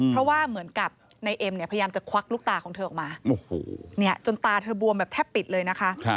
เพราะว่าเหมือนกับในเอ็มเนี่ยพยายามจะควักลูกตาของเธอออกมาจนตาเธอบวมแบบแทบปิดเลยนะคะ